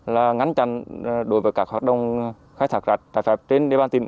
và ngăn chặn đối với các hoạt động khai thác cát trải phép trên địa bàn tỉnh